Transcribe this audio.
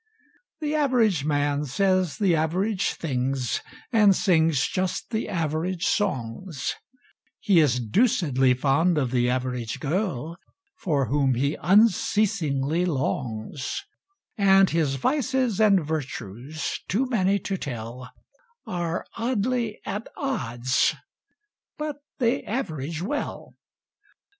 The Average Man says the average thingsAnd sings just the average songs; He's deucedly fond of the Average Girl, For whom he unceasingly longs—And his vices and virtues, too many to tell, Are oddly at odds—but they average well.